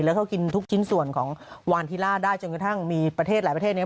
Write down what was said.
แล้วเขากินทุกชิ้นส่วนของวานธิล่าได้จนกระทั่งมีประเทศหลายประเทศเนี่ย